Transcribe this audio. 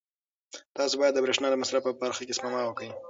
تاسو باید د برېښنا د مصرف په برخه کې سپما وکړئ.